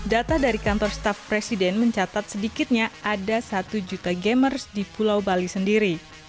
data dari kantor staff presiden mencatat sedikitnya ada satu juta gamers di pulau bali sendiri